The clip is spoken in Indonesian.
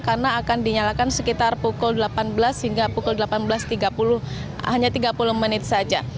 karena akan dinyalakan sekitar pukul delapan belas hingga pukul delapan belas tiga puluh hanya tiga puluh menit saja